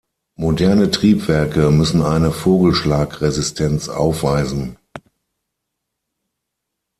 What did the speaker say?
Moderne Triebwerke müssen eine Vogelschlag-Resistenz aufweisen.